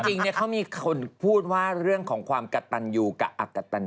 จริงเขามีคนพูดว่าเรื่องของความกระตันยูกับอักกะตัน